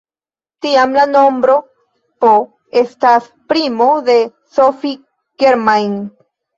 Tiam, la nombro "p" estas primo de Sophie Germain.